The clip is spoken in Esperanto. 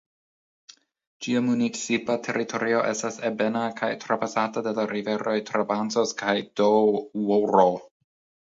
Ĝia municipa teritorio estas ebena kaj trapasata de la riveroj Trabancos kaj Doŭro.